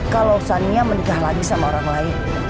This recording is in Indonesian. kalau sania menikah lagi sama orang lain